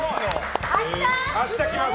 明日、来ます。